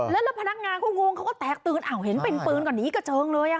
แล้วพนักงานเขางงเขาก็แตกตื่นอ้าวเห็นเป็นปืนก็หนีกระเจิงเลย